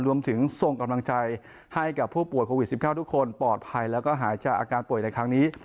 ส่งกำลังใจให้กับผู้ป่วยโควิด๑๙ทุกคนปลอดภัยแล้วก็หายจากอาการป่วยในครั้งนี้